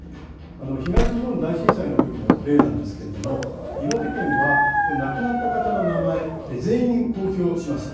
東日本大震災のときの例なんですけれども、岩手県は亡くなった方の名前、全員公表しました。